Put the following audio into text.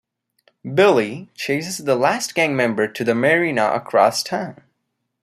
Billy chases the last gang member to the marina across town.